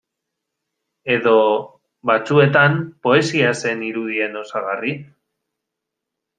Edo, batzuetan, poesia zen irudien osagarri?